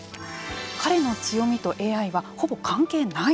彼の強みとＡＩはほぼ関係ない。